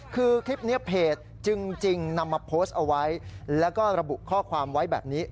คือคลิปนี้เพจจึงนำมาโพสต์เอาไว้แล้วก็ระบุข้อความไว้แบบนี้